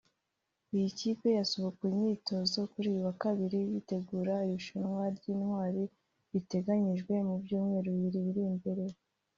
Iyi kipe yasubukuye imyitozo kuri uyu wa Kabiri yitegura irushanwa ry’Intwali riteganyijwe mu byumweru bibiri biri imbere